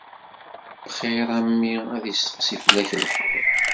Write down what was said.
Bxir a mmi, ad isteqsi fell-ak, lxir.